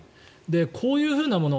こういうふうなもの